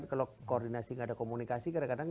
kalau koordinasi tidak ada komunikasi kadang kadang